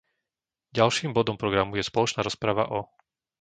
Ďalším bodom programu je spoločná rozprava o